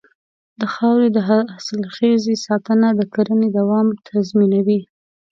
د خاورې د حاصلخېزۍ ساتنه د کرنې دوام تضمینوي.